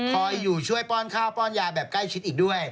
คอยอยู่ช่วยป้อนข้าวป้อนยาแบบใกล้ชิดอีกด้วย